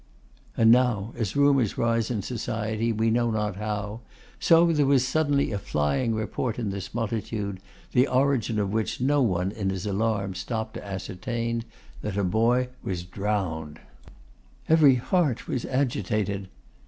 And now, as rumours rise in society we know not how, so there was suddenly a flying report in this multitude, the origin of which no one in his alarm stopped to ascertain, that a boy was drowned. Every heart was agitated.